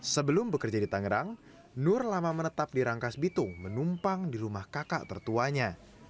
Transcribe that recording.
sebelum bekerja di tangerang nur lama menetap di rangkas bitung menumpang di rumah kakak tertuanya